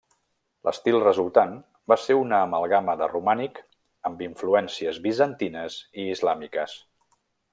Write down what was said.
L'estil resultant va ser una amalgama de romànic amb influències bizantines i islàmiques.